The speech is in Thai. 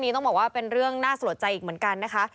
ต้องบอกว่าเป็นเรื่องน่าสะลดใจอีกเหมือนกันนะคะ